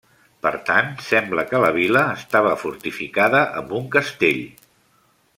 Per tant sembla que la vila estava fortificada amb un castell.